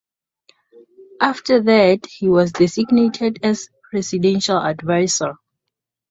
After that he was designated as a presidential adviser.